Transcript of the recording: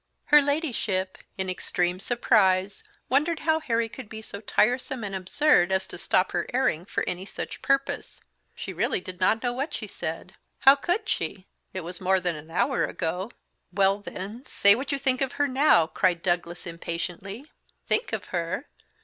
Her Ladyship, in extreme surprise, wondered how Harry could be so tiresome and absurd as to stop her airing for any such purpose. She really did not know what she said. How could she? It was more than an hour ago. "Well, then, say what you think of her now," cried Douglas impatiently. "Think of her!